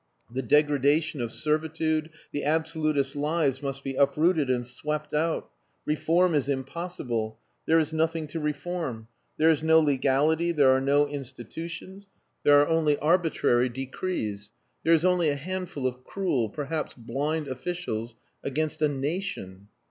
The degradation of servitude, the absolutist lies must be uprooted and swept out. Reform is impossible. There is nothing to reform. There is no legality, there are no institutions. There are only arbitrary decrees. There is only a handful of cruel perhaps blind officials against a nation."